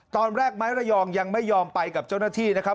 ตอนแรกไม้ระยองยังไม่ยอมไปกับเจ้าหน้าที่นะครับ